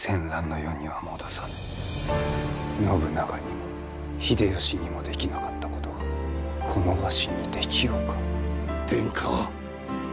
信長にも秀吉にもできなかったことがこのわしにできようか？